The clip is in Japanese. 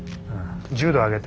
１０度上げて。